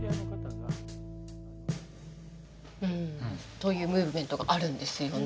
というムーブメントがあるんですよね。